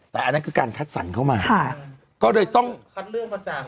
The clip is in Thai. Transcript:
แต่อันนั้นคือการคัดสรรเข้ามาค่ะก็เลยต้องคัดเลือกมาจาก